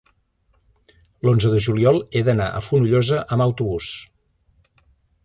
l'onze de juliol he d'anar a Fonollosa amb autobús.